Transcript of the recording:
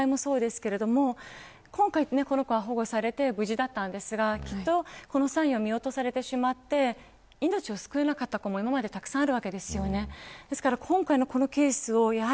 子どもは親のために生きるって親が信じているからこそ周りが、この場合もそうですけれども今回、この子は保護されて無事だったんですがきっとこのサインは見落とされてしまって命を救えなかった子も今までたくさんあるわけです。